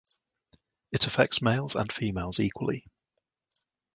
It affects males and females equally.